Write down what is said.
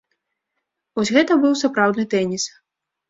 Вось гэта быў сапраўдны тэніс!